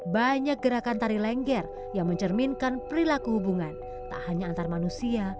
banyak gerakan tari lengger yang mencerminkan perilaku hubungan tak hanya antar manusia